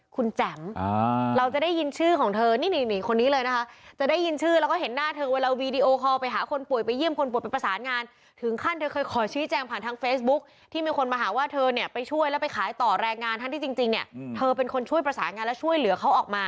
คุณแจ๋มเราจะได้ยินชื่อของเธอนี่คนนี้เลยนะคะจะได้ยินชื่อแล้วก็เห็นหน้าเธอเวลาวีดีโอคอลไปหาคนป่วยไปเยี่ยมคนป่วยไปประสานงานถึงขั้นเธอเคยขอชี้แจงผ่านทางเฟซบุ๊คที่มีคนมาหาว่าเธอเนี่ยไปช่วยแล้วไปขายต่อแรงงานท่านที่จริงเนี่ยเธอเป็นคนช่วยประสานงานและช่วยเหลือเขาออกมา